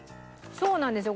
そうなんですよ。